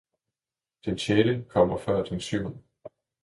Den sjette kommer før den syvende!